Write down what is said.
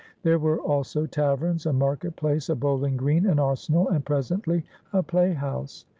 There were also taverns, a market place, a bowling green, an arsenal, and presently a playhouse.